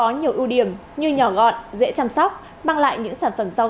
nhập điện số xe của phương tiện